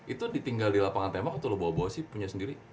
itu ditinggal di lapangan tembak atau lo bawa bawa sih punya sendiri